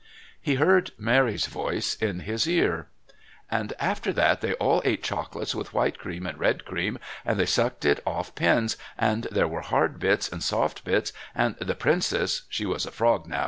He heard Mary's voice in his ear. "And after that they all ate chocolates with white cream and red cream, and they sucked it off pins, and there were hard bits and soft bits, and the Princess (she was a frog now.